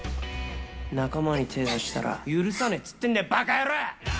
仲間に手出したら、許さねって言ってるんだよ、ばか野郎！